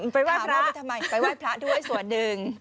ไปไหว้พระไปทำไมไปไหว้พระด้วยส่วนหนึ่ง